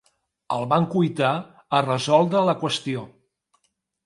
El van cuitar a resoldre la qüestió.